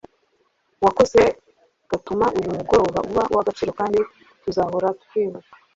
wakoze gutuma uyu mugoroba uba uw’agaciro kandi tuzahora twibuka